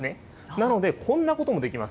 なので、こんなこともできます。